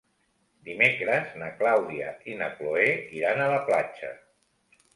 Dimecres na Clàudia i na Cloè iran a la platja.